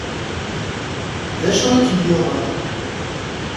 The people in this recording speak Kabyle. D acu i kem yuɣen?